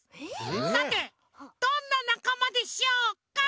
さてどんななかまでしょうか？